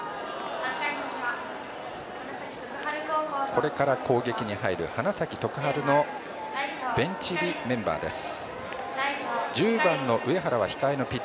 これから攻撃に入る花咲徳栄のベンチ入りメンバーです。